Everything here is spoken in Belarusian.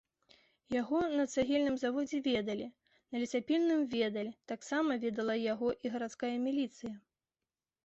Яго на цагельным заводзе ведалі, на лесапільным ведалі, таксама ведала яго і гарадская міліцыя.